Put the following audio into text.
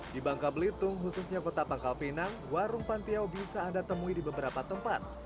di bangka belitung khususnya kota pangkal pinang warung pantiau bisa anda temui di beberapa tempat